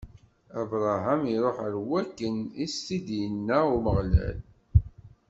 Abṛaham iṛuḥ, am wakken i s-t-id-inna Umeɣlal.